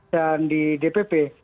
dan di dpp